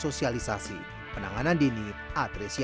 kondisi ini yang akhirnya menggerakkan dia putri ambarwati dan relawan lain